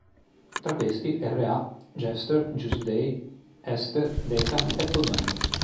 Tra questi R°A, Jester, Giusy Dej, Ester, Deca, Apple Band.